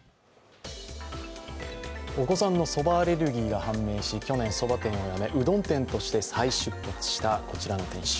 お子さんのそばアレルギーが判明し、去年、そば店をやめうどん店として再出発したこちらの店主。